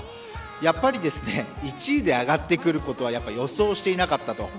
やっぱり１位で上がってくることは予想していなかったと。